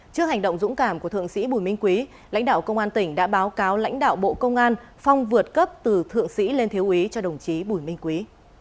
trước hành động dũng cảm của thượng sĩ bùi minh quý lãnh đạo công an tỉnh đã báo cáo lãnh đạo bộ công an phong vượt cấp từ thượng sĩ lên thiếu ý cho đồng chí bùi minh quý